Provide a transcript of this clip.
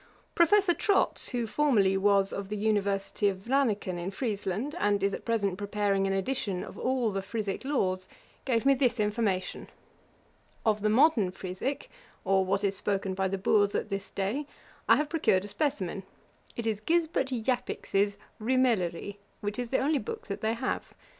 Professor Trotz, who formerly was of the University of Vranyken in Friesland, and is at present preparing an edition of all the Frisick laws, gave me this information. Of the modern Frisick, or what is spoken by the boors at this day, I have procured a specimen. It is Gisbert Japix's Rymelerie, which is the only book that they have.